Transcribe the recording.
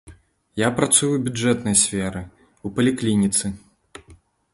Я працую ў бюджэтнай сферы, у паліклініцы.